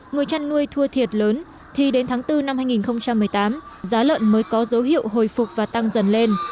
người chăn nuôi thua thiệt lớn thì đến tháng bốn năm hai nghìn một mươi tám giá lợn mới có dấu hiệu hồi phục và tăng dần lên